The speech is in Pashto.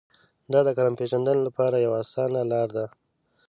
دا د کالم پېژندنې لپاره یوه اسانه لار ده.